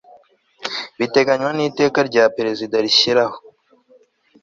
biteganywa n Iteka rya Perezida rishyiraho